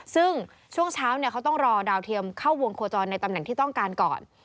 ซึ่งช่วงเช้าเขาต้องรอดาวเทียมเข้าวงโคจรในตำแหน่งที่ต้องการก่อน